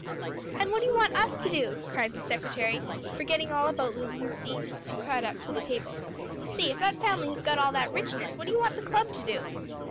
"And what do you want us to do?" cried the secretary forgetting all about losing his seat, to crowd up to the table. "Say, if that family has got all that richness, what do you want the club to do?"